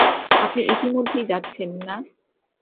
আপনি ইতিমধ্যেই যাচ্ছেন-- -না।